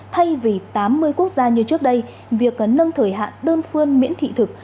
thay vì tám mươi quốc gia như trước đây việc nâng thời hạn đơn phương miễn thị thực